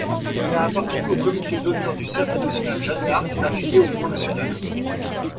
Il a appartenu au comité d'honneur du Cercle national Jeanne-d'Arc, affilié au Front national.